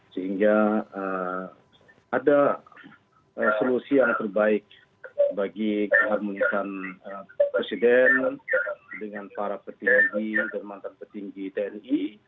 sehingga ada solusi yang terbaik bagi keharmonisan presiden dengan para petinggi dan mantan petinggi tni